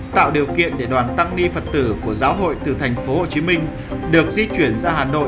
tạo điều kiện để đoàn tăng ni phật tử của giáo hội từ tp hcm được di chuyển ra hà nội